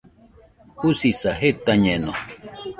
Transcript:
Usisa, jetañeno